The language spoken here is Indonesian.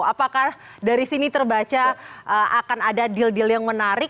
apakah dari sini terbaca akan ada deal deal yang menarik